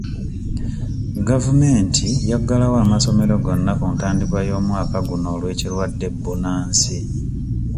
Gavumenti yaggalawo amasomero gonna ku ntandikwa y'omwaka guno olw'ekirwadde bbunansi.